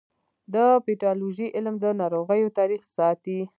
د پیتالوژي علم د ناروغیو تاریخ ساتي.